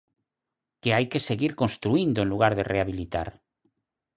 Que hai que seguir construíndo en lugar de rehabilitar.